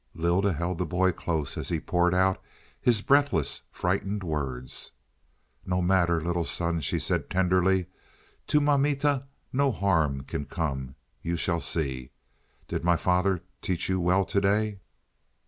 Lylda held the boy close as he poured out his breathless frightened words. "No matter, little son," she said tenderly. "To mamita no harm can come you shall see. Did my father teach you well to day?"